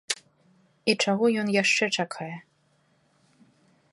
І чаго ён яшчэ чакае?